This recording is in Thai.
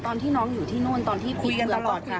ตอนที่น้องอยู่ที่นู่นตอนที่พีชเมืองก่อนคุยกันตลอดค่ะ